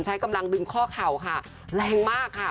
ใช้กำลังดึงข้อเข่าค่ะแรงมากค่ะ